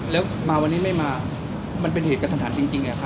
แล้วมาวันนี้ไม่มามันเป็นเหตุกระทันจริง